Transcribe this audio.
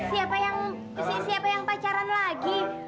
siapa yang siapa yang pacaran lagi